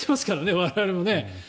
我々もね。